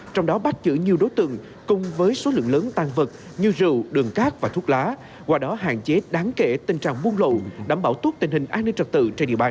trong đó bắt giữ nhiều đối tượng cùng với số lượng lớn tan vật như rượu đường cát và thuốc lá qua đó hạn chế đáng kể tình trạng buôn lộ đảm bảo tốt tình hình an ninh trật tự trên địa bàn